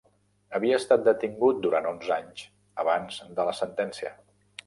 Havia estat detingut durant onze anys abans de la sentència.